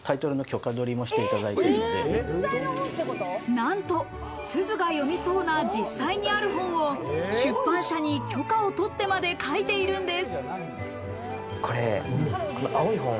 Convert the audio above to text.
なんと、すずが読みそうな実際にある本を出版社に許可を取ってまで描いているんです。